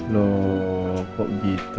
loh kok gitu